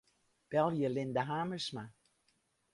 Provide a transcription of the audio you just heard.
Belje Linda Hamersma.